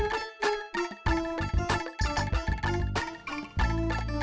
dompetnya sudah kembali